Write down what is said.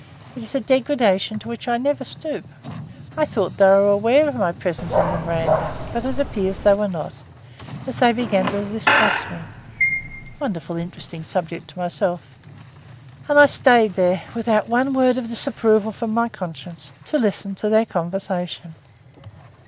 It is a degradation to which I never stoop. I thought they were aware of my presence on the veranda; but it appears they were not, as they began to discuss me (wonderfully interesting subject to myself), and I stayed there, without one word of disapproval from my conscience, to listen to their conversation.